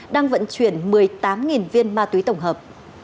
đang vận chuyển một mươi tám viên ma túy tổng hợp